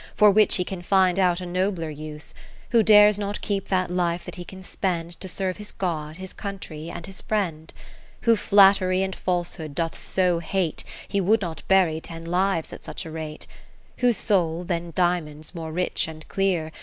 For which he can find out a nobler use; Who dares not keep that life that he can spend, To serve his God, his Country, and his Friend ; 50 Who flattery and falsehood doth so hate, He would not buy ten lives at such a rate ; Whose soul, than diamonds more rich and clear.